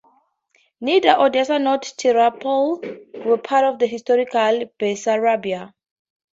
Neither Odessa not Tiraspol were part of historical Bessarabia.